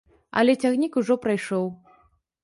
Але цягнік ужо прайшоў.